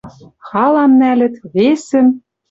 Халам нӓлӹт, весӹм.